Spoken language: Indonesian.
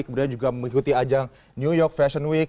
kemudian juga mengikuti ajang new york fashion week